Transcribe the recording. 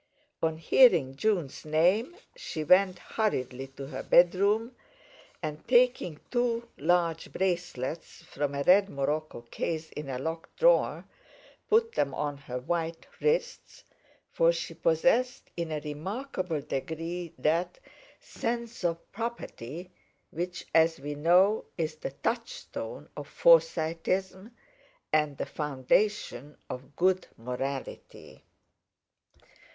On hearing Jun's name, she went hurriedly to her bedroom, and, taking two large bracelets from a red morocco case in a locked drawer, put them on her white wrists—for she possessed in a remarkable degree that "sense of property," which, as we know, is the touchstone of Forsyteism, and the foundation of good morality.